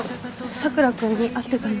佐倉君に会ってたの。